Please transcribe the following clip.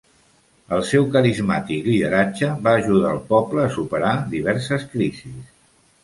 El seu carismàtic lideratge va ajudar el poble a superar diverses crisis.